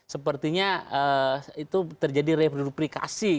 sepertinya itu terjadi reduplikasi